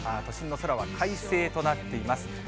都心の空は快晴となっています。